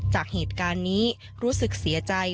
จากเหตุการณ์นี้รู้สึกเสียใจ